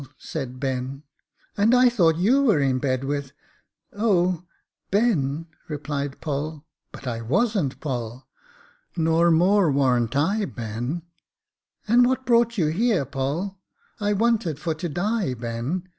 said Ben. "' And I thought you were in bed with — oh ! Ben !* replied Poll. "' But I wasn't. Poll.' Nor more warn't I, Ben.' ' And what brought you here, Poll ?'' I wanted for to die, Ben.